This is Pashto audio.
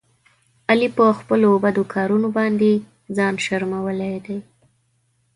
علي په خپلو بدو کارونو باندې ځان شرمولی دی.